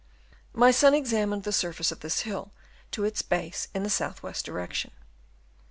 My son examined the surface of this hill to its base in a south west direction.